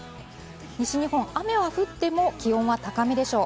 西日本、雨は降っても気温は高めでしょう。